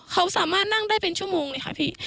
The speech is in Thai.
เขาสามารถนั่งได้เป็นชั่วโมงเลยค่ะพี่